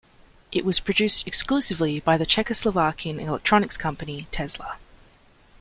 It was produced exclusively by the Czechoslovakian electronics company Tesla.